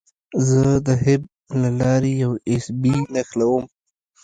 زه د هب له لارې یو ایس بي نښلوم.